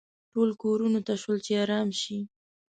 ټول کورونو ته شول چې ارام شي.